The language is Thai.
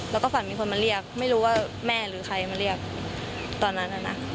แล้วก็ฝันมีคนมาเรียกไม่รู้ว่าแม่หรือใครมาเรียกตอนนั้นน่ะนะ